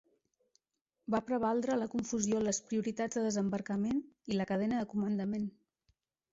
Va prevaldre la confusió en les prioritats de desembarcament i la cadena de comandament.